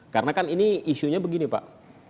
karena kan ini isunya begini pak